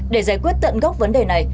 để giải quyết tận gốc vấn đề này